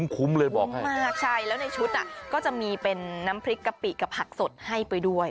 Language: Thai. คุ้มเลยบอกให้มากใช่แล้วในชุดก็จะมีเป็นน้ำพริกกะปิกับผักสดให้ไปด้วย